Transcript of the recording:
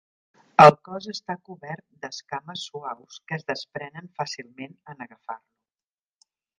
El cos està cobert d'escames suaus que es desprenen fàcilment en agafar-lo.